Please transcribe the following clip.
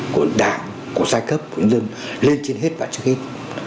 của đảng của giai cấp của nhân dân lên trên hết và trước hết